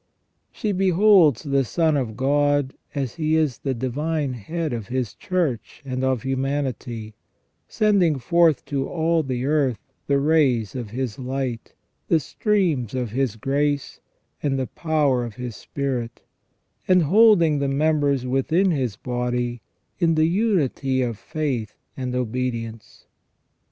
She beholds the Son of God as He is the Divine Head of His Church and of humanity, sending forth to all the earth the rays of His light, the streams of His grace, and the power of His spirit, and holding the members within His body in the unity of faith and obedience.